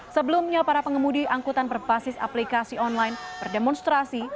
sebelumnya para pengemudi angkutan berbasis aplikasi online berdemonstrasi